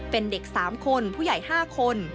เป็นเด็ก๓คนผู้ใหญ่๕คน